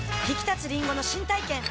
ひきたつりんごの新体験